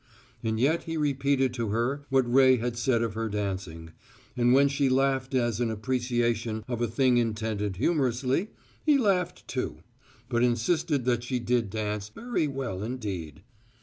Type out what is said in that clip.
And yet he repeated to her what Ray had said of her dancing, and when she laughed as in appreciation of a thing intended humorously, he laughed, too, but insisted that she did dance "very well indeed."